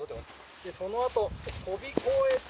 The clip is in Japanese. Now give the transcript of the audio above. そのあと飛び越えて。